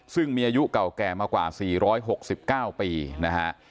ซึ่งมีอายุเก่าแก่มากว่า๔๖๙ปีนะฮะ